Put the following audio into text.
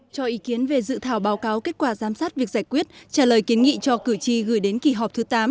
cho ý kiến về dự thảo báo cáo kết quả giám sát việc giải quyết trả lời kiến nghị cho cử tri gửi đến kỳ họp thứ tám